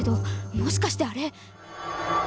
もしかしてあれ！